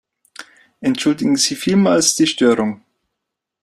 Entschuldigen Sie vielmals die Störung.